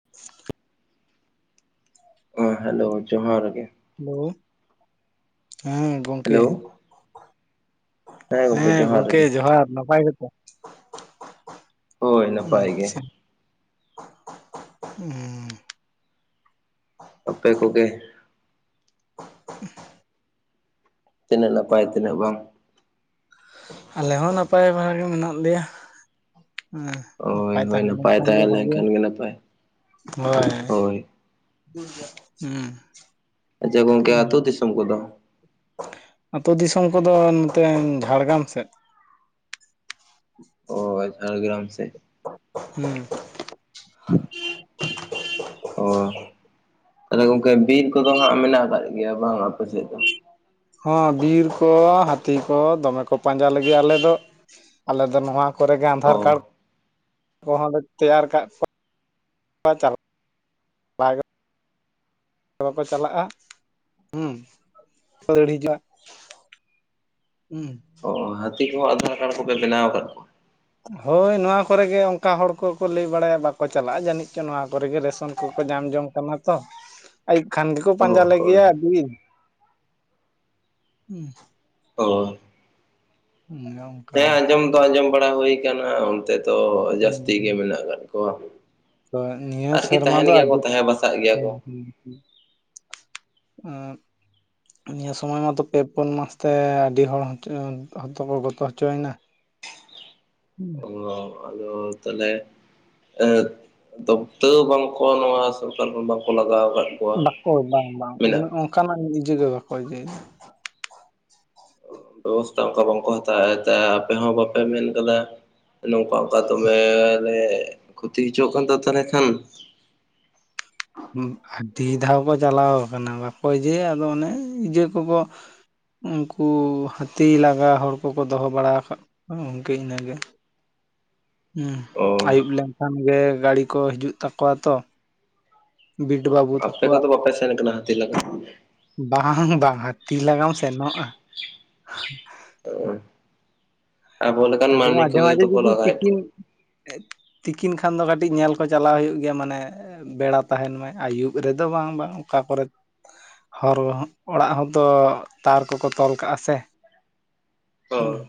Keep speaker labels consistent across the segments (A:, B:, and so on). A: [inaudible]
B: ᱦᱚ ᱦᱮᱞᱳ ᱡᱚᱦᱟᱨ ᱜᱮ᱾
A: ᱦᱮᱞᱳ, ᱦᱮᱸ ᱜᱚᱝᱠᱮ,
B: ᱦᱮᱞᱳ
A: ᱦᱮᱸ ᱜᱚᱝᱠᱮ ᱡᱚᱦᱟᱨ, ᱱᱟᱯᱟᱭ ᱜᱮ᱾
B: ᱦᱳᱭ ᱱᱟᱯᱟᱭ ᱜᱮ
A: ᱟᱪᱪᱷᱟ, ᱦᱩᱸ,
B: ᱟᱯᱮ ᱠᱚᱜᱮ
A: [inaudible]
B: ᱛᱤᱱᱟᱹᱜ ᱱᱟᱯᱟᱭ ᱛᱤᱱᱟᱹᱜ ᱵᱟᱝ?
A: ᱟᱞᱮ ᱦᱚᱸ ᱱᱟᱯᱟᱭ ᱵᱟᱲᱟ ᱜᱮ ᱢᱮᱱᱟᱜ ᱞᱮᱭᱟ᱾ ᱦᱮᱸ
B: ᱦᱳᱭ
A: ᱱᱟᱯᱟᱭ
B: ᱦᱳᱭ
A: ᱛᱟᱦᱮᱸ
B: ᱱᱟᱯᱟᱭ
A: ᱞᱮᱱᱠᱷᱟᱱ ᱜᱮ
B: ᱛᱟᱦᱮᱸ
A: ᱵᱷᱟᱜᱮᱭᱟ,
B: ᱞᱮᱱᱠᱷᱟᱱ ᱜᱮ ᱱᱟᱯᱟᱭ
A: ᱦᱳᱭ᱾ ᱦᱩᱸ,
B: ᱟᱪᱪᱷᱟ ᱜᱚᱝᱠᱮ
A: ᱦᱩᱸ᱾
B: ᱟᱹᱛᱩ ᱫᱤᱥᱚᱢ ᱠᱚᱫᱚ?
A: ᱟᱹᱛᱩ ᱫᱤᱥᱚᱢ ᱠᱚᱫᱚ ᱱᱚᱛᱮ ᱡᱷᱟᱲᱜᱨᱟᱢ ᱥᱮᱫ᱾
B: ᱚ ᱡᱷᱟᱲᱜᱨᱟᱢ ᱥᱮᱫ᱾
A: ᱦᱩᱸ,
B: [unintelligible] ᱚ ᱛᱟᱦᱞᱮ ᱜᱚᱝᱠᱮ ᱵᱤᱨ ᱠᱚᱫᱚ ᱦᱟᱜ, ᱢᱮᱱᱟᱜ ᱟᱠᱟᱫ ᱜᱮᱭᱟ ᱵᱟᱝ ᱟᱯᱮ ᱥᱮᱫ ᱫᱚ?
A: ᱦᱚᱸ ᱵᱤᱨ ᱠᱚ, ᱦᱟᱹᱛᱤ ᱠᱚ, ᱫᱚᱢᱮ ᱠᱚ ᱯᱟᱸᱡᱟ ᱞᱮᱜᱮ ᱟᱞᱮ ᱫᱚ, ᱟᱞᱮ ᱫᱚ ᱱᱚᱣᱟ᱾ ᱠᱚᱨᱮ ᱜᱮ
B: ᱚ
A: ᱟᱫᱷᱟᱨ ᱠᱟᱨᱰ ᱠᱚᱦᱚᱸ ᱞᱮ, ᱛᱮᱭᱟᱨ ᱠᱟᱫ ᱠᱚᱣᱟ᱾ ᱵᱟᱠᱚ ᱪᱟᱞᱟᱜᱼᱟ᱾ ᱦᱮᱸ ᱫᱟᱹᱲ ᱦᱤᱡᱩᱜᱼᱟ᱾ ᱦᱩᱸ᱾
B: ᱚ ᱦᱟᱹᱛᱤ ᱠᱚ-ᱦᱚᱸ ᱟᱫᱷᱟᱨ ᱠᱟᱨᱰ, ᱠᱚᱯᱮ ᱵᱮᱱᱟᱣ ᱟᱠᱟᱫ ᱠᱚᱣᱟ᱾
A: ᱦᱳᱭ ᱱᱚᱣᱟ ᱠᱚᱨᱮ ᱜᱮ, ᱚᱱᱠᱟ ᱦᱚᱲ ᱠᱚ-ᱠᱚ ᱞᱟᱹᱭ ᱵᱟᱲᱟᱭᱟ ᱵᱟᱠᱚ ᱪᱟᱞᱟᱜᱼᱟ᱾ ᱡᱟᱹᱱᱤᱡ ᱪᱚ ᱱᱚᱣᱟ ᱠᱚᱨᱮ ᱜᱮ ᱨᱮᱥᱚᱱ ᱠᱚ ᱠᱚ ᱧᱟᱢ ᱡᱚᱝ ᱠᱟᱱᱟ ᱛᱚ᱾
B: [inaudible]
A: ᱟᱹᱭᱩᱵ ᱠᱷᱟᱱ ᱜᱮᱠᱚ,
B: ᱚ
A: ᱯᱟᱸᱡᱟ
B: ᱦᱳᱭ
A: ᱞᱮᱜᱮᱭᱟ᱾ ᱟᱹᱰᱤ
B: ᱚ
A: ᱦᱩᱸ᱾
B: ᱦᱮᱸ ᱟᱸᱡᱚᱢ ᱫᱚ ᱟᱸᱡᱚᱢ ᱵᱟᱲᱟ ᱦᱩᱭ ᱠᱟᱱᱟ᱾ ᱚᱱᱛᱮ ᱫᱚ,
A: ᱦᱩᱸ
B: ᱡᱟᱹᱥᱛᱤ
A: ᱦᱩᱸ
B: ᱜᱮ ᱢᱮᱱᱟᱼᱜ ᱟᱠᱟᱫ ᱠᱚᱣᱟ᱾
A: ᱛᱚ ᱱᱤᱭᱟᱹ
B: ᱟᱨᱠᱤ
A: ᱥᱮᱨᱢᱟ
B: ᱛᱟᱦᱮᱱ
A: ᱫᱚ,
B: ᱜᱮᱭᱟ
A: ᱟᱹᱰᱤ
B: ᱠᱚ ᱛᱟᱦᱮᱸ ᱵᱟᱥᱟᱜ ᱜᱮᱭᱟ ᱠᱚ
A: [unintelligible] ᱱᱤᱭᱟᱹ ᱥᱳᱢᱚᱭ ᱢᱟᱛᱚ ᱯᱮ, ᱯᱩᱱ, ᱢᱟᱥ ᱛᱮ ᱟᱹᱰᱤ ᱦᱚᱲ [unintelligible] ᱠᱚ ᱜᱚ-ᱛᱚ ᱦᱚᱪᱚᱭᱱᱟ᱾
B: [inaudible]
A: [inaudible]
B: ᱚᱸ ᱟᱫᱚ ᱛᱚᱞᱮ ᱮᱸ ᱫᱚᱠᱛᱟᱹᱣ ᱵᱟᱝ ᱠᱚ, ᱱᱚᱣᱟ ᱥᱟᱨᱠᱟᱨ ᱵᱟᱝᱠᱚ ᱞᱟᱜᱟᱣ ᱟᱠᱟᱫ ᱠᱚᱣᱟ
A: ᱵᱟᱠᱚ ᱵᱟᱝ - ᱵᱟᱝ
B: ᱢᱮᱱᱟᱜ
A: ᱚᱱᱠᱟᱱᱟᱜ ᱤᱡᱟᱹᱜᱮ, ᱵᱟᱠᱚ ᱤᱭᱟᱹᱤᱭᱮᱫᱟ᱾
B: ᱵᱮᱵᱚᱥᱛᱷᱟ ᱚᱱᱠᱟ ᱵᱟᱝ ᱠᱚ, ᱦᱟᱛᱟᱣ᱾ ᱟᱯᱮ ᱦᱚᱸ ᱵᱟᱯᱮ ᱢᱮᱱ ᱠᱟᱫᱟ᱾ ᱱᱚᱝᱠᱟ ᱚᱝᱠᱟ ᱫᱚ ᱢᱮᱞᱮ, ᱞᱮ ᱠᱷᱚᱛᱤ ᱦᱚᱪᱚᱣᱟᱼᱜ ᱠᱟᱱ᱾ ᱛᱚ ᱛᱟᱦᱚᱞᱮ ᱠᱷᱟᱱ
A: ᱟᱹᱰᱤ ᱫᱷᱽᱟᱣ ᱠᱚ ᱪᱟᱞᱟᱣ ᱠᱟᱱᱟ᱾ ᱵᱟᱠᱚ ᱤᱡᱮ ᱟᱫᱚ ᱚᱱᱮ ᱤᱡᱮ ᱠᱚᱼᱠᱚ ᱩᱱᱠᱩ ᱦᱟᱹᱛᱤ ᱞᱟᱜᱟ ᱦᱚᱲ ᱠᱚᱼᱠᱚ ᱫᱚᱦᱚᱸ ᱵᱟᱲᱟ ᱟᱠᱟᱫ ᱠᱚᱣᱟ᱾ [unintelligible] ᱤᱱᱟᱹᱜᱮ ᱦᱚᱸ
B: ᱚ
A: ᱟᱹᱭᱩᱵ ᱞᱮᱱᱠᱷᱟᱱ ᱜᱮ, ᱜᱟᱹᱲᱤ ᱠᱚ ᱦᱤᱡᱩᱼᱜ ᱛᱟᱠᱚᱣᱼᱟ ᱾ ᱛᱚ ᱵᱤᱴ ᱵᱟᱵᱟ᱾
B: ᱟᱯᱮ ᱠᱚᱼᱫᱚ ᱵᱟᱯᱮ ᱥᱮᱱ ᱠᱟᱱᱟ᱾ ᱦᱟᱹᱛᱤ ᱞᱟᱜᱟ᱾
A: ᱵᱟᱝ - ᱵᱟᱝ ᱦᱟᱹᱛᱤ ᱞᱟᱜᱟᱢ ᱥᱮᱱᱚᱜᱼᱟ᱾
B: ᱟᱵᱚ ᱞᱮᱠᱟᱱ
A: ᱟᱫᱚ
B: ᱢᱟᱹᱱᱢᱤ
A: ᱢᱟᱡᱷᱮ
B: ᱠᱚᱜᱮ,
A: ᱢᱟᱡᱷᱮ
B: ᱛᱚ-ᱠᱚ
A: ᱡᱩᱫᱤ
B: ᱞᱟᱜᱟ ᱭᱮᱫ
A: ᱛᱤᱠᱤᱱ
B: ᱠᱚᱣᱟ ᱾
A: ᱛᱤᱠᱤᱱ ᱠᱷᱟᱱ ᱫᱚ᱾ ᱠᱟᱹᱴᱤᱡ ᱧᱮᱞ ᱠᱚ᱾ ᱪᱟᱞᱟ-ᱣ ᱦᱩᱭᱩᱼᱜ ᱜᱮᱭᱟ ᱢᱟᱱᱮ ᱵᱮᱲᱟ ᱛᱟᱦᱮᱱ ᱢᱟᱭ᱾ ᱟᱹᱭᱩᱵ ᱨᱮ-ᱫᱚ ᱵᱟᱝ - ᱵᱟᱝ ᱚᱠᱟ ᱠᱚᱨᱮ ᱦᱚᱨ ᱚᱲᱟᱜ ᱦᱚᱸᱛᱚ ᱛᱟᱨ ᱠᱚᱼᱠᱚ ᱛᱚᱞ ᱠᱟᱜᱼᱟ᱾ ᱥᱮ
B: ᱦᱳᱭ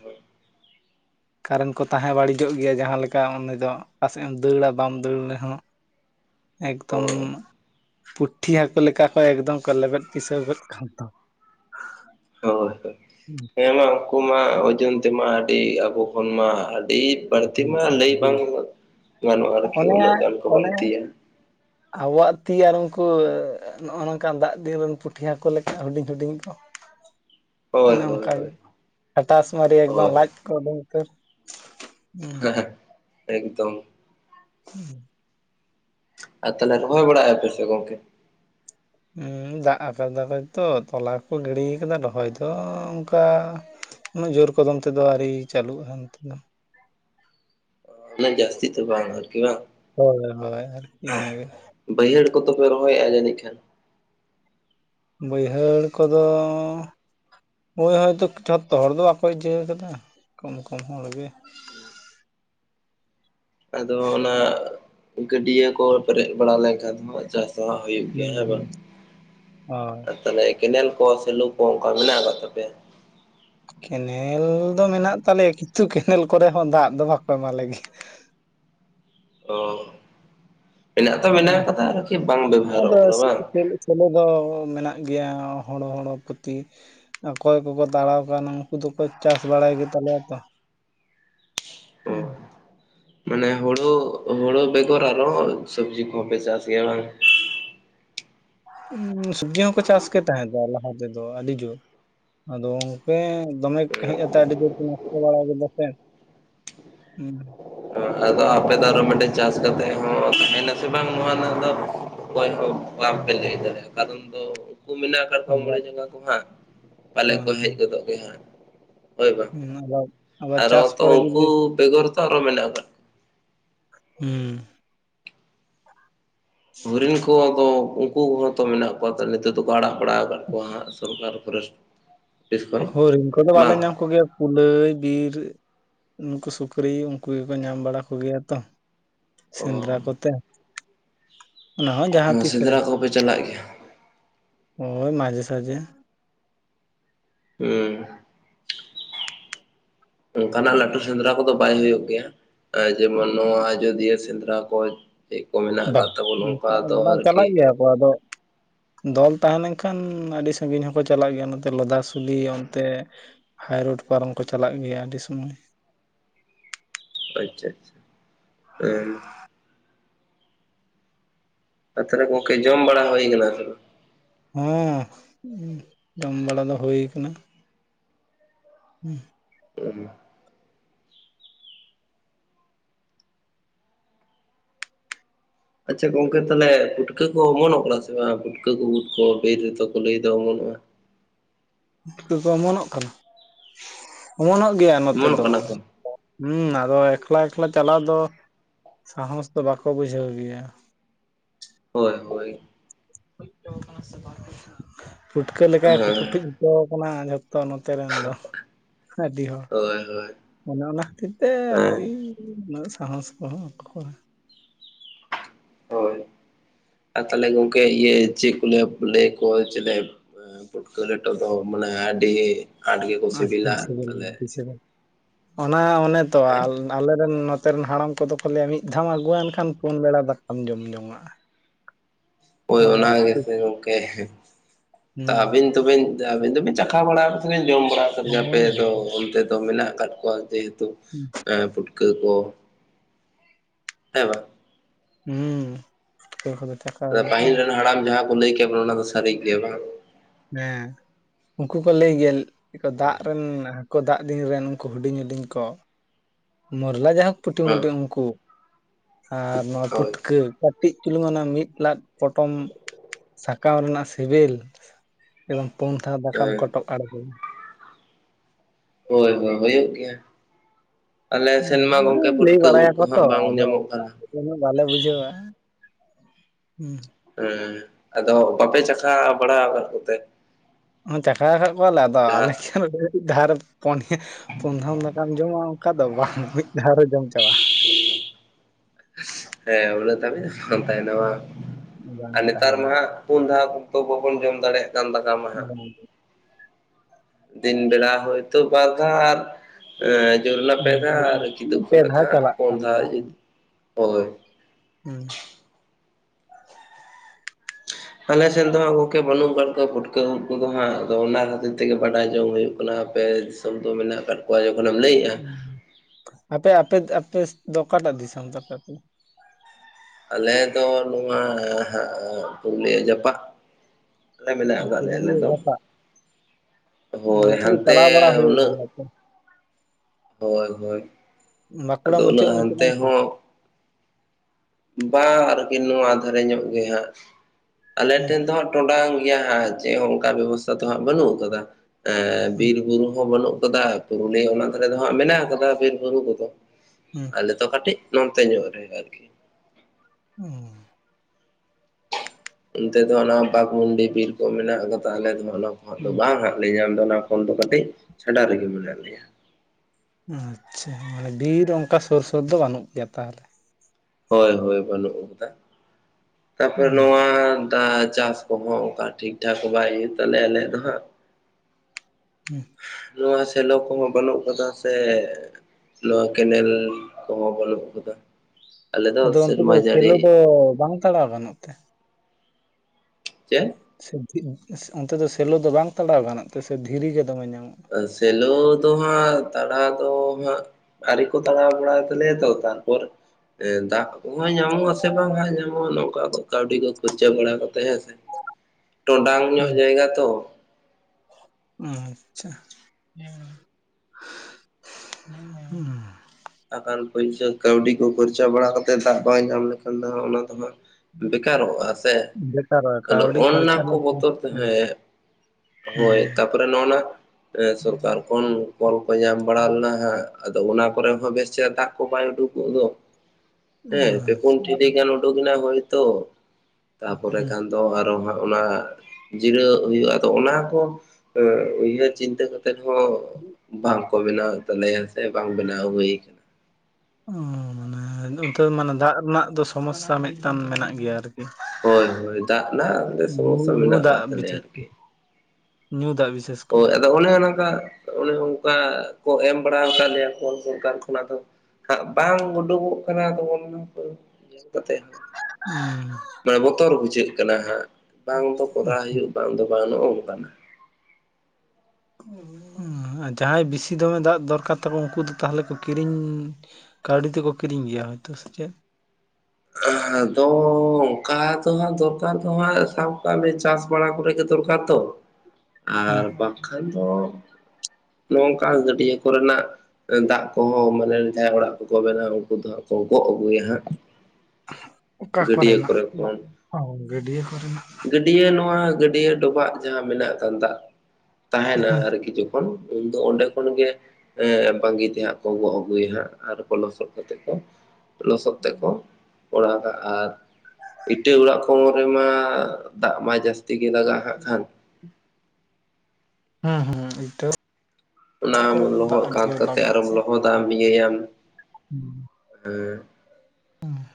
A: ᱠᱟᱨᱮᱱᱴ ᱠᱚ ᱛᱟᱦᱮᱸ ᱵᱟᱹᱲᱤᱡᱽᱚᱼᱜ ᱜᱮᱭᱟ ᱡᱟᱦᱟᱸ ᱞᱮᱠᱟ᱾ ᱩᱱᱤ ᱫᱚ ᱚᱠᱟᱥᱮᱫ ᱮᱢ ᱫᱟᱹᱲᱟ᱾ ᱵᱟᱢ ᱫᱟᱹᱲ ᱨᱮᱦᱚᱸ ᱮᱠᱫᱚᱢ᱾
B: ᱦᱳᱭ
A: ᱯᱩᱴᱷᱽᱤ ᱦᱟᱹᱠᱩ ᱞᱮᱠᱟ ᱠᱚ᱾ ᱮᱠᱫᱚᱢ ᱠᱚ, ᱞᱮᱵᱮᱫ ᱯᱤᱥᱟᱹᱣ ᱜᱚᱡ ᱠᱟᱢᱟ᱾
B: ᱦᱳᱭ - ᱦᱳᱭ᱾ ᱦᱮᱸᱢᱟ ᱩᱱᱠᱩ ᱢᱟ ᱾ ᱳᱡᱚᱱ ᱛᱮᱢᱟ ᱟᱹᱰᱤ ᱟᱵᱚ ᱠᱷᱚᱱ, ᱢᱟ ᱟᱹᱰᱤ ᱵᱟᱹᱲᱛᱤ ᱢᱟ, ᱞᱟᱹᱭ
A: ᱫᱚ
B: ᱵᱟᱝ ᱜᱟᱱᱚᱜᱼᱟ᱾ ᱟᱨᱠᱤ
A: ᱚᱱᱮ
B: ᱩᱱᱟᱹᱜ᱾ ᱜᱟᱱ ᱠᱚ ᱵᱟᱹᱲᱛᱤᱭᱟ
A: ᱟᱵᱚᱣᱟᱼᱜ ᱛᱤ ᱟᱨ ᱩᱱᱠᱩ, ᱱᱚᱜᱼᱚ ᱱᱚᱝᱠᱟ ᱫᱟᱜ ᱫᱤᱱ ᱨᱮᱱ ᱯᱩᱴᱷᱽᱤ ᱦᱟᱹ ᱠᱚ ᱞᱮᱠᱟ ᱾ ᱦᱩᱰᱤᱧ - ᱦᱩᱰᱤᱧ ᱠᱚ᱾
B: [inaudible] ᱦᱳᱭ
A: ᱚᱱᱮ
B: ᱦᱳᱭ
A: ᱚᱱᱠᱟ ᱜᱮ,
B: ᱦᱳᱭ
A: ᱦᱟᱴᱟᱥ ᱢᱟᱨᱤ, ᱮᱠᱫᱚᱢ
B: ᱦᱳᱭ
A: ᱞᱟᱡ ᱠᱚ ᱾ᱩᱰᱩᱝ ᱩᱛᱟᱹᱨ ᱦᱮᱸ᱾
B: ᱦᱮᱸ- ᱦᱮ ᱸ ᱮᱠᱫᱚᱢ, ᱾
A: ᱦᱩᱸᱸ᱾
B: ᱟᱨ ᱛᱟᱦᱚᱞᱮ ᱨᱚᱦᱚᱭ ᱵᱟᱲᱟᱭ ᱟᱯᱮᱥᱮ ᱜᱚᱝᱠᱮ,
A: ᱫᱟᱜ ᱟᱠᱟᱫᱟᱭ ᱛᱚ ᱛᱚᱞᱟ ᱠᱚᱠᱚ ᱜᱤᱲ ᱠᱟᱫᱟ ᱨᱚᱦᱚᱭ ᱫᱚ ᱚᱱᱠᱟ ᱩᱱᱟᱹᱜ ᱡᱳᱨ ᱠᱚᱫᱚᱢ ᱛᱮᱫᱚ ᱟᱹᱣᱨᱤ ᱪᱟᱹᱞᱩᱜᱼᱟ ᱱᱛᱮ ᱫᱚ,
B: ᱡᱟᱹᱥᱛᱤ ᱫᱚ ᱵᱟᱝ ᱟᱨᱠᱤ ᱵᱟᱝ
A: ᱦᱳᱭ ᱦᱳᱭ ᱟᱨᱠᱤ ᱤᱱᱟᱹᱜᱮ,
B: ᱵᱟᱹᱭᱦᱟᱹᱲ ᱠᱚᱫᱚᱯᱮ ᱨᱚᱦᱚᱭᱮᱫᱼᱟ ᱡᱟᱹᱱᱤᱡ ᱠᱷᱟᱱ,
A: ᱵᱟᱹᱭᱦᱟᱹᱲ ᱠᱚᱫᱚ ᱦᱳᱭ ᱦᱳᱭᱛᱚ ᱡᱚᱛᱚ ᱦᱚᱲ ᱫᱚ ᱵᱟᱠᱚ ᱤᱭᱟᱹᱣ ᱠᱟᱱᱟ ᱠᱚᱢ ᱠᱚᱢ ᱦᱚᱲ ᱜᱮ,
B: ᱟᱫᱚ ᱚᱱᱟ ᱜᱟᱹᱰᱭᱟᱹ ᱠᱚ ᱯᱮᱨᱮᱡ ᱵᱟᱲᱟ ᱞᱮᱱᱠᱷᱟᱱ ᱪᱟᱥᱟ, ᱦᱩᱭᱩᱜ ᱜᱮᱭᱟ
A: ᱦᱩᱸ
B: ᱦᱮᱸ
A: ᱦᱩᱸ
B: ᱵᱟᱝ
A: ᱦᱳᱭ
B: ᱛᱟᱦᱞᱮ ᱠᱮᱱᱮᱞ ᱠᱚ ᱥᱮᱞᱩ ᱠᱚ ᱚᱝᱠᱟ ᱢᱮᱱᱟᱜ ᱟᱠᱟᱫ ᱛᱯᱮᱭᱟ?
A: ᱠᱮᱱᱮᱞ ᱫᱚ ᱢᱮᱱᱟᱜ ᱛᱟᱞᱮᱭᱟ ᱠᱤᱱᱛᱩ ᱠᱮᱱᱮᱞ ᱠᱚᱨᱮ ᱦᱚᱸ ᱫᱟᱜ ᱫᱚ ᱵᱟᱠᱚ ᱮᱢᱟ ᱞᱮ ᱠᱟᱱᱟ,
B: ᱚ ᱢᱮᱱᱟᱜ ᱫᱚ ᱢᱮᱱᱟᱜ ᱠᱟᱫᱟ ᱟᱨᱠᱤ ᱵᱟᱝ ᱵᱮᱵᱚᱦᱟᱨᱚᱜ ᱠᱟᱱᱟ ᱵᱟᱝ,
A: ᱥᱮᱞᱳ ᱫᱚ ᱢᱮᱱᱟᱜ ᱜᱮᱭᱟ ᱦᱳᱲᱚ ᱦᱚᱲᱚ ᱯᱩᱛᱤ ᱚᱠᱚᱭ ᱠᱚᱠᱚ ᱫᱟᱲᱟ ᱠᱟᱱᱟ ᱩᱱᱠᱩ ᱫᱚᱠᱚ ᱪᱟᱥ ᱵᱟᱲᱟᱭ ᱜᱮᱛᱟᱞᱮᱭᱟ ᱛᱚ, ᱦᱩᱸ
B: ᱦᱮᱸ ᱢᱟᱱᱮ ᱦᱩᱲᱩ ᱦᱩᱲᱩ ᱵᱮᱜᱚᱨ ᱟᱨᱚ ᱥᱚᱵᱡᱤ ᱠᱚᱦᱚᱸᱯᱮ ᱪᱟᱥ ᱜᱮᱭᱟ ᱵᱟᱝ?
A: ᱥᱚᱵᱽᱡᱤ ᱦᱚᱸᱠᱚ ᱪᱟᱥ ᱜᱮ ᱛᱟᱦᱮᱸᱫ ᱞᱟᱦᱟ ᱛᱮᱫᱚ ᱟᱹᱰᱤ ᱡᱳᱨ, ᱟᱫᱚ ᱜᱚᱝᱠᱮ ᱫᱚᱢᱮ ᱦᱮᱡᱛᱮᱫ ᱟᱹᱰᱤ ᱡᱳᱨ ᱠᱚ ᱱᱚᱥᱴᱚ ᱵᱟᱲᱟ ᱠᱮᱫᱟ ᱥᱮ, ᱦᱩᱸ
B: ᱟᱫᱚ ᱟᱯᱮ ᱫᱚ
A: ᱦᱩᱸ
B: ᱟᱨᱚ ᱢᱮᱴᱮᱡ ᱪᱟᱥ ᱠᱟᱛᱮ ᱦᱚᱸ ᱛᱟᱦᱮᱱᱟ ᱥᱮ ᱵᱟᱝ ᱱᱚᱣᱟ ᱨᱮᱱᱟᱜ ᱫᱚ ᱚᱠᱚᱭ ᱦᱚᱸ, ᱵᱟᱯᱮ
A: ᱦᱮᱸ
B: ᱞᱟᱹᱭ ᱫᱟᱲᱮᱟ ᱠᱟᱨᱚᱱ ᱫᱚ ᱩᱠᱩ ᱢᱮᱱᱟ,
A: ᱟᱵᱟᱨ
B: [unintelligible] ᱡᱟᱸᱜᱟ ᱠᱚᱦᱟᱸᱜ ᱯᱟᱞᱮ
A: ᱦᱮᱸ
B: ᱠᱚ ᱦᱮᱡ
A: ᱦᱮᱸ
B: ᱜᱚᱫᱚᱜ ᱜᱮ ᱦᱟᱸᱜ, ᱦᱳᱭ ᱦᱳᱭ
A: ᱦᱩᱸ ᱟᱵᱟᱨ ᱟᱵᱟᱨ ᱪᱟᱥ
B: ᱟᱨᱚ ᱛᱚ
A: ᱯᱚᱨᱮ
B: ᱩᱱᱠᱩ
A: ᱡᱩᱫᱤ
B: ᱵᱮᱜᱚᱨ ᱛᱚ ᱟᱨᱚ ᱢᱮᱱᱟᱜ ᱟᱠᱟᱫ
A: ᱦᱩᱸ
B: ᱦᱚᱨᱤᱱ ᱠᱚ ᱦᱚᱛᱚ ᱩᱱᱠᱩ ᱠᱚᱦᱚᱛᱚ ᱢᱮᱱᱟᱜ ᱠᱚᱣᱟ ᱱᱤᱛᱚᱜ ᱫᱚ ᱟᱲᱟᱜ, ᱠᱚ ᱟᱲᱟ ᱟᱠᱟᱫ ᱠᱚᱣᱟ ᱦᱟᱸᱜ ᱥᱚᱨᱠᱟᱨ ᱯᱷᱚᱨᱮᱥᱴ ᱚᱯᱷᱤᱥ ᱠᱷᱚᱡ
A: ᱦᱚᱨᱤᱱ ᱠᱚᱫᱚ ᱵᱟᱞᱮ
B: ᱵᱟᱝ
A: ᱧᱟᱢ ᱠᱚᱜᱮᱭᱟ, ᱠᱩᱞᱟᱹᱭ ᱵᱤᱨ ᱱᱩᱠᱩ ᱥᱩᱠᱨᱤ ᱩᱱᱠᱩ ᱜᱮᱠᱚ ᱧᱟᱢ ᱵᱟᱲᱟ ᱠᱚᱜᱮᱭᱟ ᱛᱚ, ᱥᱮᱸᱫᱽᱨᱟ
B: ᱚ
A: ᱠᱚᱛᱮ, ᱚᱱᱟ ᱦᱚᱸ ᱡᱟᱦᱟᱸ
B: ᱦᱮᱸ
A: ᱛᱤᱥ
B: ᱥᱮᱸᱫᱽᱨᱟ ᱠᱚᱯᱮ ᱪᱟᱞᱟᱜ ᱜᱮᱭᱟ?
A: ᱦᱳᱭ ᱢᱟᱡᱮ ᱥᱟᱡᱮ,
B: ᱩᱸ ᱚᱱᱠᱟᱱᱟᱜ ᱞᱟᱹᱴᱩ ᱥᱮᱸᱫᱽᱨᱟ ᱠᱚᱫᱚ ᱵᱟᱭ ᱦᱩᱭᱩᱜ ᱜᱮᱭᱟ, ᱡᱮᱢᱚᱱ ᱱᱚᱣᱟ ᱟᱡᱚᱫᱤᱭᱟᱹ ᱥᱮᱸᱫᱽᱨᱟ ᱠᱚ ᱪᱮᱫ ᱠᱚ ᱢᱮᱱᱟᱜ ᱟᱠᱟᱫ ᱛᱟᱵᱚᱱᱟ ᱚᱱᱠᱟ ᱫᱚ ᱟᱨᱠᱤ,
A: ᱠᱚᱣᱟᱜ ᱫᱚ ᱫᱚᱞ ᱛᱟᱦᱮᱸ ᱞᱮᱱᱠᱷᱟᱱ ᱟᱹᱰᱤ ᱥᱟᱺᱜᱤᱧ ᱦᱚᱸᱠᱚ ᱪᱟᱞᱟᱜ ᱜᱮᱭᱟ ᱱᱚᱛᱮ ᱞᱚᱫᱟᱥᱩᱞᱤ ᱚᱱᱛᱮ, ᱦᱟᱭᱨᱳᱰ ᱯᱟᱨᱚᱢ ᱠᱚ ᱪᱟᱞᱟᱜ ᱜᱮᱭᱟ ᱟᱹᱰᱤ ᱥᱳᱢᱭ,
B: ᱟᱪᱪᱷᱟ ᱟᱪᱪᱷᱟ ᱟᱨ ᱟᱨ ᱛᱟᱦᱚᱞᱮ ᱜᱚᱝᱠᱮ ᱡᱚᱢ ᱵᱟᱲᱟ ᱦᱩᱭ ᱟᱠᱟᱱᱟ ᱥᱮ ᱵᱟᱝ,
A: ᱦᱚᱸ ᱡᱚᱢ ᱵᱟᱲᱟ ᱫᱚ ᱦᱩᱭ ᱠᱟᱱᱟ [inaudible]
B: [unintelligible] ᱟᱪᱪᱷᱟ ᱜᱚᱝᱠᱮ ᱛᱟᱦᱞᱮ ᱯᱩᱴᱠᱟᱹ ᱠᱚ ᱚᱢᱚᱱᱚᱜ ᱠᱟᱱᱟ ᱥᱮ ᱵᱟᱝ ᱯᱩᱴᱠᱟᱹ ᱠᱚ ᱩᱫ ᱠᱚ [unintelligible] ᱞᱟᱹᱭ ᱫᱚ ᱚᱢᱚᱱᱚᱜᱼᱟ
A: ᱱᱤᱛᱚᱜ ᱫᱚ ᱚᱢᱚᱱᱚᱜ ᱠᱟᱱᱟ ᱚᱢᱚᱱᱚᱜ ᱜᱮᱭᱟ ᱱᱚᱛᱮ
B: ᱚᱢᱚᱱᱚᱜ
A: ᱫᱚ
B: ᱠᱟᱱᱟ ᱠᱚ
A: ᱦᱩᱸ ᱟᱫᱚ ᱮᱠᱞᱟ ᱮᱠᱞᱟ ᱪᱟᱞᱟᱣ ᱫᱚ ᱥᱟᱦᱚᱥ ᱫᱚ ᱵᱟᱠᱚ ᱵᱩᱡᱷᱟᱹᱣ ᱜᱮᱭᱟ ᱾
B: ᱦᱳᱭ ᱦᱳᱭ
A: [inaudible] ᱯᱩᱴᱠᱟᱹ ᱞᱮᱠᱟ
B: ᱦᱮᱸ
A: ᱠᱚ ᱯᱩᱴᱷᱩᱡ ᱦᱚᱪᱚ ᱟᱠᱟᱱᱟ [unintelligible] ᱛᱚ ᱱᱚᱛᱮ ᱨᱮᱱ ᱫᱚ ᱟᱹᱰᱤ ᱦᱚᱲ,
B: ᱦᱳᱭ ᱦᱳᱭ
A: ᱚᱱᱮ ᱚᱱᱟ ᱠᱷᱟᱹᱛᱤᱨ ᱛᱮ ᱟᱨᱠᱤ
B: ᱦᱮᱸ
A: ᱩᱱᱟᱹᱜ ᱥᱟᱦᱚᱥ ᱠᱚ ᱦᱚᱸ [unintelligible]
B: ᱦᱚᱭ ᱟᱨ ᱛᱟᱦᱞᱮ ᱜᱚᱝᱠᱮ ᱤᱭᱟᱹ ᱪᱮᱫ ᱠᱚ ᱞᱟᱹᱭᱟ [unintelligible] ᱯᱩᱴᱠᱟᱹ ᱞᱮᱴᱚ ᱫᱚ ᱢᱟᱱᱮ ᱟᱹᱰᱤ ᱟᱸᱴ ᱜᱮᱠᱚ
A: ᱟᱹᱰᱤ
B: ᱥᱤᱵᱤᱞᱟ
A: ᱥᱤᱵᱤᱞ
B: ᱛᱟᱦᱞᱮ ᱾
A: [unintelligible] ᱚᱱᱟ ᱚᱱᱮ ᱛᱚ
B: ᱦᱮᱸ
A: ᱟᱞ ᱟᱞᱮ ᱨᱮᱱ ᱱᱚᱛᱮ ᱨᱮᱱ ᱦᱟᱲᱟᱢ ᱠᱚ ᱫᱚ ᱠᱚ ᱞᱟᱹᱭᱟ ᱢᱤᱫ ᱫᱷᱟᱣ ᱟᱹᱜᱩ ᱣᱟᱱ ᱠᱷᱟᱱ ᱯᱩᱱ ᱵᱮᱲᱟ ᱫᱟᱠᱟᱢ ᱡᱚᱢ ᱡᱚᱝᱼᱟ ᱾
B: ᱦᱚᱭ ᱚᱱᱟ ᱜᱮ ᱥᱮ ᱜᱚᱝᱠᱮ, ᱛᱚ
A: ᱦᱩᱸ
B: ᱟᱹᱵᱤᱱ [unintelligible] ᱟᱹᱵᱤᱱ ᱫᱚᱵᱤᱱ ᱪᱟᱠᱷᱟ ᱵᱟᱲᱟ [unintelligible] ᱡᱚᱢ ᱵᱟᱲᱟ ᱠᱟᱫᱟ ᱟᱯᱮ ᱚᱱᱛᱮ ᱫᱚ ᱢᱮᱱᱟᱜ ᱟᱠᱟᱫ ᱠᱚᱣᱟ ᱡᱮ ᱦᱮᱛᱩ
A: [inaudible]
B: ᱮᱸᱻ ᱯᱩᱴᱠᱟᱹ ᱠᱚ ᱦᱮᱸ ᱵᱟᱝ
A: ᱦᱩᱸ [unintelligible]
B: ᱟᱫᱚ ᱯᱟᱹᱦᱤᱞ ᱨᱮᱱ ᱦᱟᱲᱟᱢ ᱡᱟᱦᱟᱸ ᱠᱚ ᱞᱟᱹᱭ ᱠᱮᱫ ᱵᱚᱱᱟ ᱚᱱᱟ ᱫᱚ ᱥᱟᱹᱨᱤ ᱜᱮᱭᱟ ᱵᱟᱝ ᱾
A: ᱦᱮᱸ ᱩᱱᱠᱩ ᱠᱚ ᱞᱟᱹᱭ ᱜᱮᱭᱟ
B: ᱦᱳᱭ
A: ᱫᱟᱜ ᱨᱮᱱ ᱠᱚ ᱫᱟᱜ ᱫᱤᱱ ᱨᱮᱱ ᱩᱱᱠᱩ ᱦᱩᱰᱤᱧ ᱦᱩᱰᱤᱧ ᱠᱚ, ᱢᱚᱨᱞᱟ ᱡᱟᱭᱦᱳᱠ ᱯᱩᱴᱤ
B: ᱦᱮᱸ
A: ᱢᱩᱴᱤ ᱩᱱᱠᱩ ᱟᱨ ᱱᱚᱣᱟ
B: ᱦᱳᱭ
A: ᱯᱩᱴᱠᱟᱹ ᱠᱟᱹᱴᱤᱡ ᱪᱩᱞᱩᱝ ᱚᱱᱟ ᱢᱤᱫ ᱞᱟᱫ ᱯᱚᱴᱚᱢ ᱥᱟᱠᱟᱢ ᱨᱮᱱᱟᱜ ᱥᱮᱵᱮᱞ ᱮᱵᱚᱝ ᱯᱩᱱ ᱫᱷᱟᱣ ᱫᱟᱠᱟᱢ
B: ᱦᱮᱸ
A: ᱠᱚᱴᱚᱜ ᱟᱲᱜᱚᱭᱟ ᱾
B: ᱦᱚᱭ ᱦᱚᱭ ᱦᱩᱭᱩᱜ ᱜᱮᱭᱟ ᱾ ᱟᱞᱮ ᱥᱮᱱᱢᱟ ᱜᱚᱝᱠᱮ
A: ᱦᱩᱸ
B: ᱯᱩᱹᱴᱠᱟᱹ ᱩᱫ ᱠᱚᱦᱟᱸᱜ ᱵᱟᱝ ᱧᱟᱢᱚᱜ ᱠᱟᱱᱟ ᱾
A: [unintelligible] ᱵᱷᱟᱞᱮ ᱵᱩᱡᱟᱹᱣᱟ ᱩᱸᱻ
B: ᱦᱮᱸᱻ ᱟᱫᱚ ᱵᱟᱯᱮ ᱪᱟᱠᱷᱟ ᱵᱟᱲᱟᱣᱟᱠᱟᱫ ᱠᱚ ᱛᱮ?
A: ᱦᱚᱸᱻ ᱪᱟᱠᱷᱟ ᱟᱠᱟᱫ ᱠᱚᱣᱟ ᱞᱮ ᱟᱫᱚ ᱟᱞᱮ
B: ᱡᱟᱦᱟᱸ
A: ᱠᱤ [unintelligible] ᱯᱚᱱ ᱯᱩᱱᱫᱷᱟᱢ ᱫᱟᱠᱟᱢ ᱡᱚᱢᱟ ᱚᱱᱠᱟ ᱫᱚ ᱵᱟᱝ ᱢᱤᱫ ᱫᱷᱟᱣ ᱨᱮ ᱡᱚᱢ ᱪᱟᱵᱟ᱾
B: ᱦᱮᱸ ᱩᱱᱟᱜ ᱫᱷᱟᱹᱵᱤᱡ ᱫᱚ ᱵᱟᱝ ᱛᱟᱦᱮᱸᱱᱟ ᱵᱟᱝ?
A: ᱵᱟᱝ
B: ᱟᱨ ᱱᱮᱛᱟᱨ ᱢᱟ
A: ᱛᱟᱦᱮᱱᱟ
B: ᱦᱟᱸᱜ ᱯᱩᱱ ᱫᱷᱟᱣ ᱛᱚ ᱵᱟᱵᱚᱱ ᱡᱚᱢ ᱫᱟᱲᱮ ᱭᱟᱜ ᱠᱟᱱ ᱫᱟᱠᱟ ᱢᱟ ᱦᱟᱸᱜ ᱾ ᱫᱤᱱ ᱵᱮᱲᱟ ᱦᱚᱭ ᱛᱚ ᱵᱟᱨ ᱫᱷᱟᱣ ᱟᱨ ᱟᱸᱻ ᱡᱳᱨᱞᱟ ᱯᱮ ᱫᱷᱟᱣ ᱟᱨ ᱠᱤᱫᱩᱜ ᱫᱚ
A: ᱯᱮ
B: ᱢᱤᱫ ᱫᱷᱟᱣ
A: ᱪᱟᱞᱟᱜ
B: ᱯᱩᱱ
A: ᱠᱟᱱᱟ
B: ᱫᱷᱟᱣ [unintelligible] ᱦᱚᱭ
A: ᱦᱩᱸᱻ
B: ᱟᱞᱮ ᱥᱮᱱ ᱫᱚ ᱦᱟᱸᱜ ᱜᱚᱢᱠᱮ ᱵᱟᱹᱱᱩᱜ ᱟᱠᱟᱫ ᱠᱚᱣᱟ ᱯᱩᱴᱠᱟᱹ ᱩᱫ ᱠᱚ ᱫᱚ ᱦᱟᱸᱜ ᱟᱫᱚ ᱚᱱᱟ ᱠᱷᱟᱹᱛᱤᱨ ᱛᱮ ᱜᱮ ᱵᱟᱰᱟᱭ ᱡᱚᱝ ᱦᱩᱭᱩᱜ ᱠᱟᱱᱟ ᱦᱟ ᱯᱮ [unintelligible] ᱢᱮᱱᱟᱜᱼᱟᱠᱟᱫ ᱠᱚᱣᱟ ᱡᱚᱠᱷᱚᱱ ᱞᱟᱹᱭ [unintelligible]
A: ᱟᱯᱮ [unintelligible] ᱟᱯᱮ ᱫᱚ ᱚᱠᱟ ᱴᱟᱜ ᱫᱤᱥᱚᱢ ᱛᱟᱯᱮ ᱟᱯᱮᱭᱟᱜ?
B: ᱟᱞᱮ ᱫᱚ ᱱᱚᱣᱟ ᱦᱟᱸᱜ ᱯᱩᱨᱩᱞᱤᱭᱟᱹ ᱡᱟᱯᱟᱜ ᱾ ᱚᱸᱰᱮ ᱢᱮᱱᱟᱜ ᱟᱠᱟᱫ ᱞᱮᱭᱟ ᱟᱞᱮ
A: ᱯᱩᱨᱩᱞᱤᱭᱟᱹ
B: ᱫᱚ
A: ᱡᱟᱯᱟᱜ
B: ᱾ ᱦᱚᱭ
A: ᱚᱱᱛᱮ ᱫᱚ
B: ᱦᱟᱱᱛᱮ
A: ᱪᱟᱞᱟᱣ ᱵᱟᱲᱟ ᱦᱩᱭᱩᱜ
B: ᱩᱱᱟᱹᱜ
A: ᱜᱮᱭᱟ ᱛᱚ
B: ᱦᱚᱭ ᱦᱚᱭ
A: ᱵᱟᱸᱠᱩᱲᱟ
B: ᱟᱫᱚ ᱩᱱᱟᱹᱜ
A: ᱢᱩᱪᱟᱹᱫ ᱢᱩᱪᱟᱹᱫ
B: ᱦᱟᱱᱛᱮ
A: ᱚᱱᱛᱮ
B: ᱦᱚᱸ ᱵᱟᱝ ᱟᱨᱠᱤ ᱱᱚᱣᱟ ᱫᱷᱟᱨᱮ ᱧᱚᱜ ᱜᱮ ᱦᱟᱸᱜ ᱟᱞᱮ ᱴᱷᱮᱱ
A: ᱦᱩᱸ
B: ᱫᱚ ᱦᱟᱸᱜ ᱴᱚᱸᱰᱟᱝ ᱜᱮᱭᱟ ᱦᱟᱸᱜ ᱪᱮᱫ ᱦᱟᱸ ᱚᱱᱠᱟ ᱵᱮᱵᱚᱥᱛᱷᱟ ᱛᱚ ᱦᱟᱸᱜ ᱵᱟᱹᱱᱩᱜ ᱟᱠᱟᱫᱟ ᱾ ᱮᱸᱻ ᱵᱤᱨ ᱵᱩᱨᱩ ᱦᱚᱸ ᱵᱟᱹᱱᱩᱜ ᱟᱠᱟᱫᱟ ᱾ ᱯᱩᱨᱩᱞᱤᱭᱟᱹ ᱚᱱᱟ ᱫᱷᱟᱨᱮ ᱫᱚ ᱦᱟᱸᱜ ᱢᱮᱱᱟᱜ ᱟᱠᱟᱫᱟ ᱵᱤᱨ ᱵᱩᱨᱩ ᱠᱚᱫᱚ ᱾
A: ᱦᱩᱸᱻ
B: ᱟᱞᱮ ᱫᱚ ᱠᱟᱹᱴᱤᱡ ᱱᱚᱱᱛᱮ ᱧᱚᱜ ᱨᱮ ᱟᱨᱠᱤ
A: ᱩᱸ
B: ᱚᱱᱛᱮ ᱫᱚ ᱚᱱᱟ ᱵᱟᱜᱽᱢᱩᱱᱰᱤ ᱵᱤᱨ ᱠᱚ ᱢᱮᱱᱟᱜ ᱠᱟᱫᱟ ᱟᱞᱮ ᱫᱚ ᱚᱱᱟ ᱠᱚ ᱫᱚ
A: ᱦᱩᱸ
B: ᱵᱟᱝᱼᱟ ᱾ ᱵᱟᱞᱮ ᱧᱟᱢ ᱮᱫᱟ ᱚᱱᱟ ᱠᱷᱳᱱ ᱫᱚ ᱠᱟᱹᱴᱤᱡ ᱪᱷᱟᱰᱟ ᱨᱮᱜᱮ ᱢᱮᱱᱟᱜ ᱞᱮᱭᱟ ᱾
A: ᱟᱪᱪᱷᱟ ᱢᱟᱱᱮ ᱵᱤᱨ ᱚᱱᱠᱟ ᱥᱳᱨ ᱥᱳᱨ ᱫᱚ ᱵᱟᱹᱱᱩᱜ ᱯᱮᱭᱟ ᱛᱟᱦᱞᱮ ᱾
B: ᱦᱳᱭ ᱦᱳᱭ ᱵᱟᱹᱱᱩᱜ ᱟᱠᱟᱫᱟ ᱾ ᱛᱟᱯᱚᱨ
A: ᱦᱩᱸ
B: ᱱᱚᱣᱟ ᱪᱟᱥ ᱠᱚᱦᱚᱸ ᱚᱱᱠᱟ ᱴᱷᱤᱠ ᱴᱷᱟᱠ ᱵᱟᱭ ᱦᱩᱭᱩᱜ ᱛᱟᱞᱮᱭᱟ ᱟᱞᱮᱭᱟᱜ ᱫᱚ ᱦᱟᱸᱜ ᱾
A: [inaudible]
B: ᱱᱚᱣᱟ ᱥᱮᱞᱳ ᱠᱚᱦᱚᱸ ᱵᱟᱹᱱᱩᱜ ᱠᱟᱫᱟ ᱥᱮ ᱱᱚᱣᱟ ᱠᱮᱱᱮᱞ ᱠᱚᱦᱚᱸ ᱵᱟᱹᱱᱩᱜ ᱟᱠᱟᱫᱟ ᱾
A: ᱟᱫᱚ ᱚᱱᱛᱮ ᱫᱚ ᱥᱮᱞᱳ ᱫᱚ ᱵᱟᱝ ᱛᱟᱲᱟᱣ ᱜᱟᱱᱚᱜ ᱛᱮ
B: ᱪᱮᱫ?
A: ᱥᱮ ᱚᱱᱛᱮ ᱫᱚ ᱥᱮᱞᱳ ᱫᱚ ᱵᱟᱝ ᱛᱟᱲᱟᱣ ᱜᱟᱱᱚᱜ ᱛᱮ ᱥᱮ ᱫᱷᱤᱨᱤ ᱜᱮ ᱫᱚᱢᱮ ᱧᱟᱢᱚᱜᱼᱟ?
B: ᱥᱮᱞᱳ ᱫᱚ ᱦᱟᱸᱜ ᱛᱟᱲᱟᱣ ᱫᱚ ᱦᱟᱸᱜ ᱟᱹᱣᱨᱤ ᱠᱚ ᱛᱟᱲᱟᱣ ᱵᱟᱲᱟᱭ ᱛᱟᱞᱮᱭᱟ ᱛᱚ ᱛᱟᱨᱯᱚᱨ ᱮᱸ ᱫᱟᱜ ᱠᱚᱦᱚ ᱧᱟᱢᱚᱜᱼᱟ ᱥᱮ ᱵᱟᱝ ᱦᱟᱸᱜ ᱧᱟᱢᱚᱜᱼᱟ ᱱᱚᱝᱠᱟ ᱫᱚ ᱠᱟᱣᱰᱤ ᱫᱚ ᱠᱷᱚᱨᱪᱟ ᱵᱟᱲᱟ ᱠᱟᱛᱮ ᱦᱮᱸ ᱥᱮ ᱾ ᱴᱚᱰᱟᱝ ᱧᱚᱜ ᱡᱟᱭᱜᱟ ᱛᱚ ᱾
A: ᱦᱩᱸ ᱟᱪᱪᱷᱟ ᱟᱪᱪᱷᱟ ᱾ [inaudible] ᱩᱸ
B: ᱵᱟᱠᱷᱟᱱ [unintelligible] ᱠᱟᱹᱣᱰᱤ ᱠᱚ ᱠᱷᱚᱨᱪᱟ ᱵᱟᱲᱟ ᱠᱟᱛᱮᱫ ᱫᱟᱜ ᱵᱟᱝ ᱧᱟᱢ ᱞᱮᱠᱷᱟᱱ ᱫᱚ ᱚᱱᱟ ᱫᱚ ᱦᱟᱸᱜ ᱵᱮᱠᱟᱨᱚᱜᱼᱟ ᱥᱮ
A: ᱵᱮᱴᱟᱨᱚᱜᱼᱟ
B: ᱾ ᱟᱫᱚ
A: ᱠᱟᱹᱣᱰᱤ
B: ᱚᱱᱱᱟ
A: ᱠᱷᱚᱨᱪᱟ
B: ᱠᱚ
A: ᱞᱮᱱᱠᱷᱟᱱ
B: ᱵᱚᱛᱚᱨ ᱛᱮ ᱦᱮᱸ ᱦᱳᱭ
A: ᱦᱩᱸ
B: ᱛᱟᱯᱚᱨᱮ ᱱᱚᱜᱼᱚ ᱱᱚᱣᱟ ᱮᱸ ᱥᱚᱨᱠᱟᱨ ᱠᱷᱚᱱ ᱠᱚᱞ ᱠᱚ ᱧᱟᱢ ᱵᱟᱲᱟ ᱞᱮᱱᱟ ᱦᱟᱸᱜ ᱾ ᱟᱫᱚ ᱚᱱᱟ ᱠᱚᱨᱮ ᱦᱚᱸ ᱵᱮᱥ ᱪᱮᱦᱨᱟ ᱫᱟᱜ ᱠᱚ ᱵᱟᱭ ᱩᱰᱩᱠᱚᱜ ᱫᱚ ᱾ ᱦᱮᱸ
A: ᱟᱪᱪᱷᱟ,
B: ᱯᱮ ᱯᱩᱱ ᱴᱷᱤᱞᱤ ᱜᱟᱱ ᱩᱰᱩᱜ ᱮᱱᱟ ᱦᱳᱭ ᱛᱚ, ᱛᱟᱨᱯᱚᱨᱮ
A: ᱦᱩᱸ
B: ᱠᱷᱟᱱ ᱫᱚ ᱟᱨᱚ ᱦᱟᱸᱜ ᱚᱱᱟ ᱡᱤᱨᱟᱹᱜ ᱦᱩᱭᱩᱜᱼᱟ ᱟᱫᱚ ᱚᱱᱟ ᱠᱚ ᱩᱭᱦᱟᱹᱨ ᱪᱤᱱᱛᱟᱹ ᱠᱟᱛᱮᱫ ᱦᱚᱸ ᱵᱟᱝ ᱠᱚ ᱵᱮᱱᱟᱣ ᱮᱫ ᱛᱟᱞᱮᱭᱟ ᱥᱮ ᱵᱟᱝ ᱵᱮᱱᱟᱣ ᱦᱳᱭ
A: ᱚᱻ ᱚᱱᱛᱮ ᱫᱚ ᱢᱟᱱᱮ ᱫᱟᱜ ᱨᱮᱱᱟᱜ ᱫᱚ ᱥᱚᱢᱚᱥᱥᱟ ᱢᱤᱫ ᱴᱟᱝ ᱢᱮᱱᱟᱜ ᱜᱮᱭᱟ ᱟᱨ
B: ᱦᱳᱭ ᱦᱳᱭ ᱫᱟᱜ ᱨᱮᱱᱟᱜ
A: ᱧᱩ
B: ᱥᱚᱢᱚᱥᱥᱟ
A: ᱧᱩ
B: ᱢᱮᱱᱟᱜ
A: ᱫᱟᱜ
B: ᱠᱟᱫ ᱛᱟᱞᱮᱭᱟ
A: ᱵᱤᱥᱮᱥ
B: ᱟᱨᱠᱤ ᱾
A: ᱧᱩ ᱫᱟᱜ ᱵᱤᱥᱮᱥ
B: ᱦᱳᱭ
A: ᱠᱚᱨᱮ
B: ᱟᱫᱚ ᱚᱱᱮ ᱚᱱᱠᱟ ᱚᱱᱮ ᱚᱝᱠᱟ ᱠᱚ ᱮᱢ ᱵᱟᱲᱟ ᱟᱠᱟᱫ ᱞᱮᱭᱟ ᱠᱚ ᱥᱚᱨᱠᱟᱨ ᱠᱷᱚᱱᱟᱜ ᱫᱚ ᱦᱟᱸᱜ ᱵᱟᱝ ᱩᱰᱩᱠᱚᱜ ᱠᱟᱱᱟ ᱛᱚ ᱚᱱᱟ ᱠᱚ ᱧᱮᱞ ᱠᱟᱛᱮᱫ
A: [inaudible]
B: ᱢᱟᱱᱮ ᱵᱚᱛᱚᱨ ᱵᱩᱡᱷᱟᱹᱜ ᱠᱟᱱᱟ ᱦᱟᱸᱜ ᱵᱟᱝ ᱫᱚ ᱠᱚᱨᱟᱣ ᱦᱩᱭᱩᱜ ᱵᱟᱝ ᱫᱚ ᱵᱟᱝ ᱱᱚᱜᱼᱚ ᱱᱚᱝᱠᱟ ᱾
A: ᱡᱟᱦᱟᱸᱭ ᱵᱮᱥᱤ ᱫᱚᱢᱮ ᱫᱟᱜ ᱫᱚᱨᱠᱟᱨ ᱛᱟᱠᱚ ᱩᱱᱠᱩ ᱫᱚ ᱛᱟᱦᱞᱮ ᱠᱚ ᱠᱤᱨᱤᱧ ᱠᱟᱹᱣᱰᱤ ᱛᱮᱠᱚ ᱠᱤᱨᱤᱧ ᱜᱮᱭᱟ ᱦᱚᱭ ᱛᱚ ᱥᱮ ᱪᱮᱫ?
B: ᱟᱫᱚ ᱚᱝᱠᱟ ᱫᱚ ᱦᱟᱸᱜ ᱫᱚᱨᱠᱟᱨ ᱫᱚ ᱦᱟᱸᱜ ᱥᱟᱵ ᱠᱟᱜ ᱢᱮ ᱪᱟᱥ ᱵᱟᱲᱟ ᱠᱚᱨᱮ ᱜᱮ ᱫᱚᱨᱠᱟᱨ ᱛᱚ ᱾
A: ᱦᱮᱸ
B: ᱟᱨ ᱵᱟᱝᱠᱷᱟᱱ ᱫᱚ ᱱᱚᱝᱠᱟ ᱜᱟᱹᱰᱭᱟᱹ ᱠᱚᱨᱮᱱᱟᱜ ᱫᱟᱜ ᱠᱚᱦᱚᱸ ᱢᱟᱱᱮ ᱡᱟᱦᱟᱸᱭ ᱚᱲᱟᱜ ᱠᱚᱠᱚ ᱵᱮᱱᱟᱣᱟ ᱩᱱᱠᱩ ᱫᱚ ᱦᱟᱸᱜ ᱠᱚ ᱜᱚᱜ ᱟᱹᱜᱩᱭᱟ ᱦᱟᱸᱜ ᱾
A: ᱚᱠᱟ ᱠᱚᱨᱮᱱᱟᱜ
B: ᱠᱷᱚᱱ
A: ᱜᱟᱹᱰᱭᱟᱹ ᱠᱚᱨᱮᱱᱟᱜ
B: ᱜᱟᱹᱰᱭᱟᱹ ᱱᱚᱣᱟ ᱜᱟᱹᱰᱭᱟᱹ ᱰᱚᱵᱷᱟᱜ ᱡᱟᱦᱟᱸ ᱢᱮᱱᱟᱜ ᱟᱠᱟ ᱫᱟᱜ ᱛᱟᱦᱮᱱᱟ
A: ᱦᱩᱸ
B: ᱟᱨ ᱠᱤᱪᱷᱩ [unintelligible] ᱩᱱ ᱫᱚ ᱚᱸᱰᱮ ᱠᱷᱚᱱ ᱜᱮ ᱮᱸᱻ ᱵᱟᱹᱜᱤ ᱛᱮ ᱦᱟᱸᱜ ᱠᱚ ᱜᱚᱜ ᱟᱹᱜᱩᱭᱟ ᱦᱟᱸᱜ ᱟᱨ ᱠᱚ ᱞᱚᱥᱚᱫ ᱠᱟᱛᱮᱜ ᱠᱚ ᱞᱚᱥᱚᱫ ᱛᱮ ᱠᱚ ᱚᱲᱟᱜᱟ ᱟᱨ ᱤᱴᱟᱹ ᱚᱲᱟᱜ ᱠᱚ ᱨᱮᱢᱟ ᱫᱟᱜ ᱢᱟᱭ ᱡᱟᱹᱥ ᱛᱤ ᱜᱮ ᱞᱟᱜᱟᱜᱼᱟ ᱦᱟᱸᱜ ᱠᱷᱟᱱ ᱾
A: ᱦᱩᱸ ᱦᱩᱸ [unintelligible]
B: ᱚᱱᱟ
A: ᱚᱲᱟᱜ ᱠᱚᱨᱮ ᱫᱚ ᱫᱟᱜ
B: ᱞᱚᱦᱚᱫ
A: ᱟᱹᱰᱤ
B: ᱠᱟᱸᱛ
A: ᱜᱮ
B: ᱠᱟᱛᱮ
A: ᱞᱟᱜᱟᱜᱼᱟ
B: ᱟᱨᱦᱚᱢ
A: ᱥᱮ
B: ᱞᱚᱦᱚᱫᱟ ᱤᱭᱟᱹᱭᱟᱢ
A: [unintelligible]
B: ᱦᱮᱸ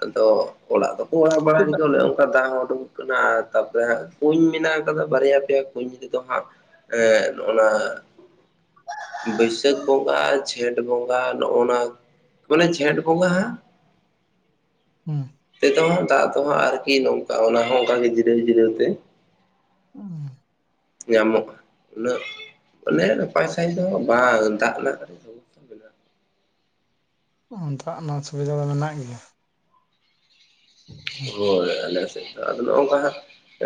B: ᱟᱫᱚ ᱚᱲᱟᱜ ᱫᱚᱠᱚ ᱚᱲᱟᱜ ᱵᱟᱲᱟᱭ
A: ᱪᱮᱫᱟᱜ
B: ᱚᱱᱮ ᱚᱱᱠᱟ ᱫᱟᱜ ᱦᱚᱸ ᱩᱰᱩᱠ ᱚᱱᱟ ᱛᱟᱯᱚᱨᱮ ᱦᱟᱸᱜ ᱠᱩᱧ ᱢᱮᱱᱟᱜ ᱟᱫᱚ ᱵᱟᱨᱭᱟ ᱯᱮᱭᱟ ᱠᱩᱧ ᱨᱮᱫᱚ ᱦᱟᱸᱜ ᱮᱜ ᱦᱚᱸ-ᱱᱟ ᱵᱟᱹᱭᱥᱟᱹᱠᱷ ᱵᱚᱸᱜᱟ ᱡᱷᱮᱸᱴ ᱵᱚᱸᱜᱟ ᱱᱚᱜᱱᱟ ᱢᱟᱱᱮ ᱡᱷᱮᱸᱴ ᱵᱚᱸᱜᱟ ᱦᱟᱸᱜ
A: ᱦᱩᱸ
B: ᱛᱮᱫᱦᱚᱸ ᱫᱟᱜ ᱛᱮᱦᱚᱸ ᱟᱨᱠᱤ ᱱᱚᱝᱠᱟ ᱚᱱᱟ ᱦᱚᱸ ᱚᱱᱠᱟ ᱜᱮ ᱡᱤᱨᱟᱹᱣ ᱡᱤᱨᱟᱹᱣ ᱛᱮ
A: [unintelligible]
B: ᱧᱟᱢᱚᱜᱼᱟ ᱩᱱᱟᱹᱜ ᱢᱟᱱᱮ ᱱᱟᱯᱟᱭ ᱥᱟᱦᱤᱡ ᱫᱚ ᱵᱟᱝ ᱫᱟᱜ ᱨᱮᱱᱟᱜ ᱥᱚᱢᱚᱥᱥᱟ ᱢᱮᱱᱟᱜᱼᱟ᱾
A: ᱫᱟᱜ ᱨᱮᱱᱟᱜ ᱥᱩᱵᱤᱫᱷᱟ ᱫᱚ ᱢᱮᱱᱟᱜ ᱜᱮᱭᱟ ᱾
B: ᱦᱳᱭ ᱟᱞᱮ ᱥᱮᱫ ᱫᱚ ᱟᱫᱚ ᱱᱚᱜᱼᱚᱝᱠᱟ ᱦᱟᱸᱜ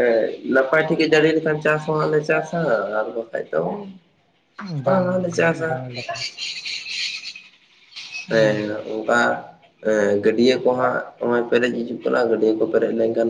B: ᱮᱸ ᱱᱟᱯᱟᱭ ᱴᱷᱤᱠᱮ ᱡᱟᱹᱲᱤ ᱞᱮᱠᱷᱟᱱ ᱪᱟᱥ ᱦᱚᱸ ᱞᱮ ᱪᱟᱥᱟ ᱟᱨ ᱵᱟᱠᱟᱡ ᱫᱚ ᱵᱟᱝ ᱦᱚᱸ ᱞᱮ
A: ᱵᱟᱝ
B: ᱪᱟᱥ-ᱟ ᱾
A: ᱦᱩᱸ
B: ᱦᱮᱸ ᱚᱱᱠᱟ ᱜᱟᱹᱰᱭᱟᱹ ᱠᱚᱦᱟᱸᱜ ᱱᱚ-ᱚᱭ ᱯᱮᱨᱮᱡ ᱦᱤᱡᱩᱜ ᱠᱟᱱᱟ ᱜᱟᱹᱰᱭᱟᱹ ᱠᱚ ᱯᱮᱨᱮᱡ ᱞᱮᱱᱠᱷᱟᱱ ᱦᱟᱸᱜ